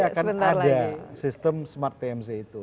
akan ada sistem smart tmc itu